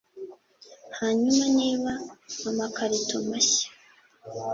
hanyuma, niba amakarito mashya